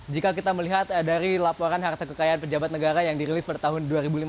jika kita melihat dari laporan harta kekayaan pejabat negara yang dirilis pada tahun dua ribu lima belas